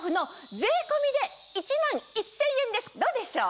どうでしょう？